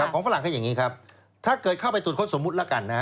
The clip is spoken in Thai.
ฝรั่งคืออย่างนี้ครับถ้าเกิดเข้าไปตรวจค้นสมมุติแล้วกันนะฮะ